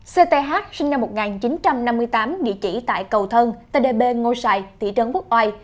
cth sinh năm một nghìn chín trăm năm mươi tám địa chỉ tại cầu thân tây đề bê ngô sơn thị trấn quốc ai